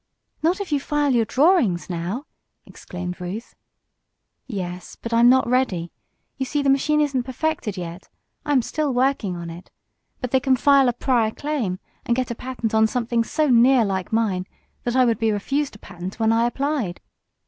"Not if you file your drawings now!" exclaimed Ruth. "Yes, but I'm not ready. You see the machine isn't perfected yet. I am still working on it. But they can file a prior claim, and get a patent on something so near like mine that I would be refused a patent when I applied.